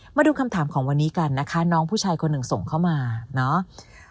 มาดูคำถามของวันนี้กันนะคะน้องผู้ชายคนหนึ่งส่งเข้ามาเนาะ